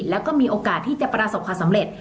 แล้วก็มีโอกาสที่จะประสบความสำเร็จ